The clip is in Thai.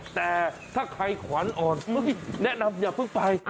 แต่ถ้าใครขวัญอ่อนแนะนำอย่าเพิ่งไป